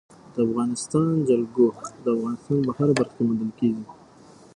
د افغانستان جلکو د افغانستان په هره برخه کې موندل کېږي.